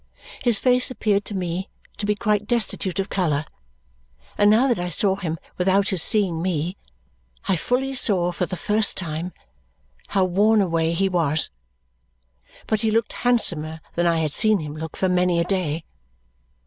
His face appeared to me to be quite destitute of colour, and now that I saw him without his seeing me, I fully saw, for the first time, how worn away he was. But he looked handsomer than I had seen him look for many a day.